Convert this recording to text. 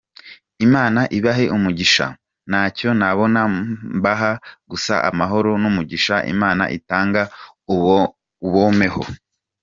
Imana ibahe umugishaaaa ntacyo nabona mbaha gusa Amahoro n’umugisha Imana itanga ubomeho.